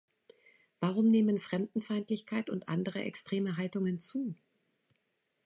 Warum nehmen Fremdenfeindlichkeit und andere extreme Haltungen zu?